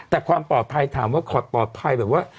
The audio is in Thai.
แต่ความปลอดภัยถามว่าปลอดภัยแบบว่า